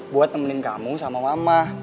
buat temenin kamu sama mama